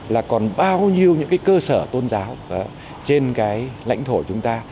là còn bao nhiêu những cái cơ sở tôn giáo trên cái lãnh thổ chúng ta